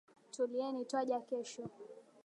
Tulieni twaja kesho